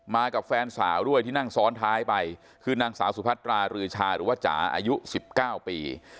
กับแฟนสาวด้วยที่นั่งซ้อนท้ายไปคือนางสาวสุพัตรารือชาหรือว่าจ๋าอายุ๑๙ปี